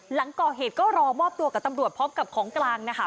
หลังก่อเหตุก็รอมอบตัวกับตำรวจพร้อมกับของกลางนะคะ